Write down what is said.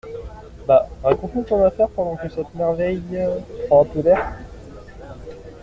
Bon, raconte-nous ton affaire pendant que cette merveille prend un peu l’air.